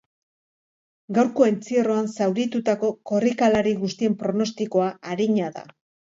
Gaurko entzierroan zauritutako korrikalari guztien pronostikoa arina da.